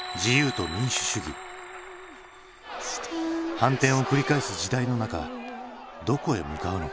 反転を繰り返す時代の中どこへ向かうのか？